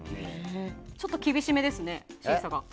ちょっと厳しめですね、審査が。